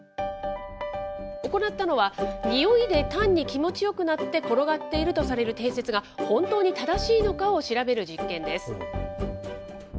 行ったのは、匂いで単に気持ちよくなって転がっているとされる定説が、本当に正しいのかを調べる実験です。